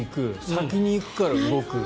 先に行くから動く。